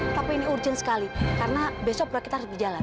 tapi ini urgent sekali karena besok kita harus berjalan